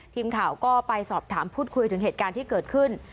ทีมข่าวก็ไปสอบถามพูดคุยถึงเหตุการณ์ที่เกิดขึ้น